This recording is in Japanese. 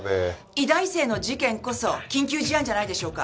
医大生の事件こそ緊急事案じゃないでしょうか？